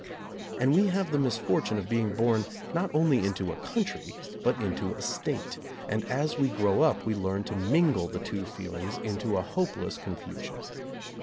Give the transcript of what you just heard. And we have the misfortune of being born not only into a country but into a State, and as we grow up we learn to mingle the two feelings into a hopeless confusion.